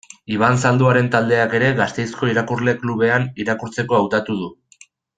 Iban Zalduaren taldeak ere, Gasteizko Irakurle Klubean, irakurtzeko hautatu du.